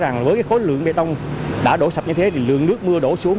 rõ ràng với cái khối lượng bê tông đã đổ sập như thế thì lượng nước mưa đổ xuống